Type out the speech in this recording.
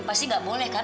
pasti gak boleh kan